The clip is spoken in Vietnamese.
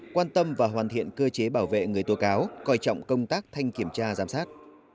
quan tâm và hoàn thiện cơ chế bảo vệ người tố cáo coi trọng công tác thanh kiểm tra giám sát